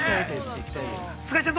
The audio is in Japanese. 菅井ちゃん